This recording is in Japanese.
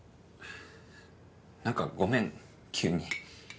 何かごめん急に。